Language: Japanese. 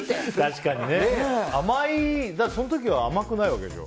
その時は甘くないわけでしょ。